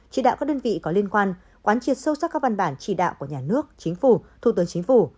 chỉ đạo các đơn vị có liên quan quán triệt sâu sắc các văn bản chỉ đạo của nhà nước chính phủ thủ tướng chính phủ